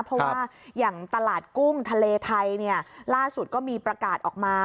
เพราะว่าอย่างตลาดกุ้งทะเลไทยเนี่ยล่าสุดก็มีประกาศออกมา